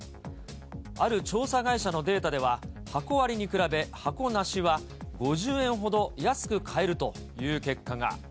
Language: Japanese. ある調査会社のデータでは、箱ありに比べ、箱なしは５０円ほど安く買えるという結果が。